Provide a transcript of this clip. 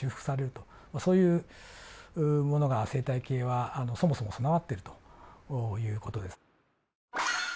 そういうものが生態系はそもそも備わっているという事です。